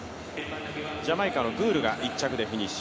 ジャマイカのグールが１着でフィニッシュ。